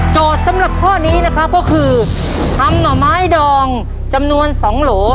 สำหรับข้อนี้นะครับก็คือทำหน่อไม้ดองจำนวน๒โหล